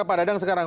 pak dadang sekarang